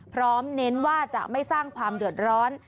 เน้นว่าจะไม่สร้างความเดือดร้อน